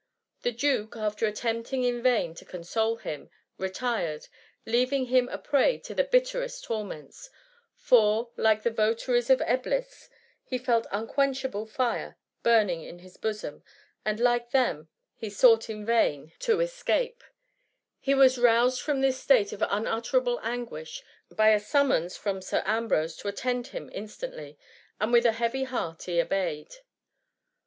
The duke, after attempting in vain to console him, retired, leaving him a prey to the bitterest torments ; for, like the votaries of Bblis, he felt unquenchable fire burning in his bosom, and like them^ he sought in vain to 6 6 IdO THE MUMMT. escape. He was roused from this state' of un utterable anguish, by a summons from Sir Am brose to attend him instantly, and with a heavy heart he obeyed.